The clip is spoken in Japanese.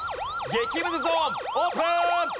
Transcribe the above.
激ムズゾーンオープン！